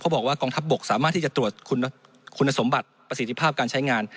บอกว่ากองทัพบกสามารถที่จะตรวจคุณสมบัติประสิทธิภาพการใช้งาน